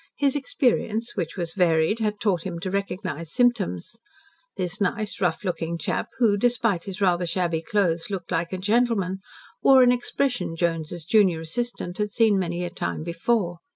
His experience, which was varied, had taught him to recognize symptoms. This nice, rough looking chap, who, despite his rather shabby clothes, looked like a gentleman, wore an expression Jones's junior assistant had seen many a time before.